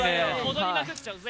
踊りまくっちゃうぜ。